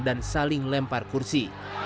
dan saling lempar kursi